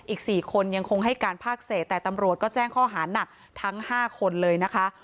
อีก๔คนยังคงให้การภาคเศษแต่ตำรวจก็แจ้งข้อหานักทั้ง๕คนเลยนะคะ